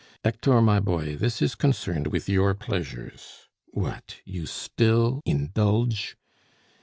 Hector, my boy, this is concerned with your pleasures. What, you still indulge